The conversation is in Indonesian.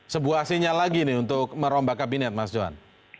sebuah sinyal lagi nih untuk merombak kabinet mas johan